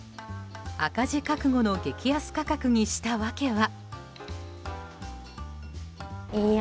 赤字覚悟の激安価格にした訳は。